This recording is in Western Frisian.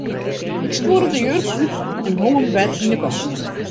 Ik skuorde de jurk út en hong him wer yn 'e kast.